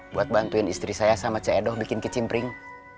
buat bantuin istri saya sama ceedok bikin kecimpring